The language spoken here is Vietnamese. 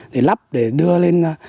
để lắp để đưa lên